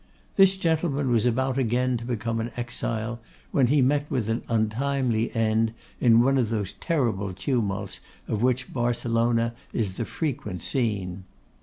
This gentleman was about again to become an exile, when he met with an untimely end in one of those terrible tumults of which Barcelona is the frequent scene.